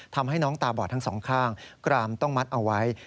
ทำให้น้องตาบอดทั้งสองข้างกรามต้องมัดเอาไว้